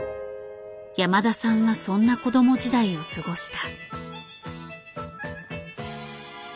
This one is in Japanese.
山田さんはそんな子ども時代を過ごした。